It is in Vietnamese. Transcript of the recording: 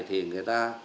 thì người ta